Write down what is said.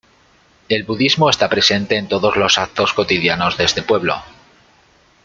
El budismo está presente en todos los actos cotidianos de este pueblo.